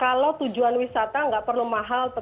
kalau tujuan wisata nggak perlu mahal tetep fun